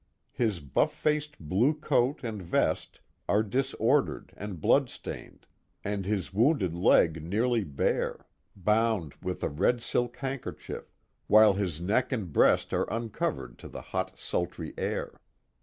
His buff faced blue coat and vest, are disordered and blood stained, and his wounded leg nearly bare, bound with 4a6 The Mohawk Valley ^^H a red silk handkerchief, while his neck and breast are uncovflrtd % to the hot. sultry air.